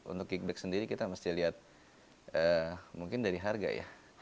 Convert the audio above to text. untuk kickback sendiri kita mesti lihat mungkin dari harga ya